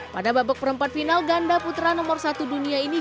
pada babak perempat final ganda putra nomor satu dunia ini